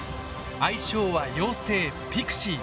愛称は妖精「ピクシー」。